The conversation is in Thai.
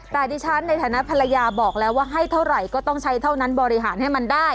แต่ดิฉันในฐานะภรรยาบอกแล้วว่าให้เท่าไหร่ก็ต้องใช้เท่านั้นบริหารให้มันได้